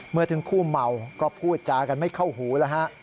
เมื่อถึงคู่เมาก็พูดจากันไม่เข้าหูแล้วฮะ